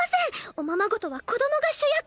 おままごとは子供が主役！